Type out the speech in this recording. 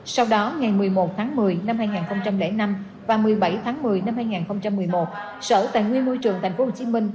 sau đó ngày một mươi một tháng một mươi năm hai nghìn năm và một mươi bảy tháng một mươi năm hai nghìn một mươi một sở tài nguyên môi trường tp hcm